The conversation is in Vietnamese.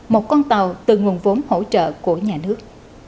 một con tàu từ nguồn vốn hỗ trợ của nhà nước